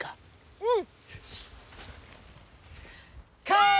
うん。